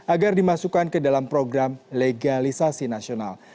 agar dimasukkan ke dalam program legalisasi nasional